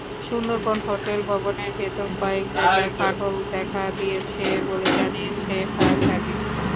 Sundarban hotel ভবনের ভেতরে কয়েক জায়গায় ফাটল দেখা দিয়েছে বলে জানিয়েছে ফায়ার সার্ভিস।